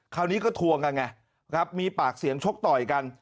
คราวนี้ก็ทวงกันไงครับมีปากเสียงชกต่อยกัน